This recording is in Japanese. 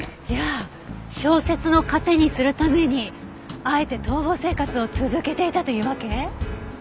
じゃあ小説の糧にするためにあえて逃亡生活を続けていたというわけ？